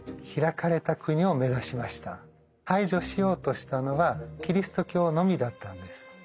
排除しようとしたのはキリスト教のみだったのです。